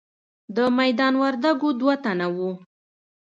د میدان وردګو دوه تنه وو.